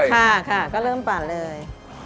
ค่ะก็เริ่มปั่นเลย